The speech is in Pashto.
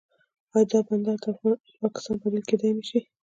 آیا دا بندر د پاکستان بدیل کیدی نشي؟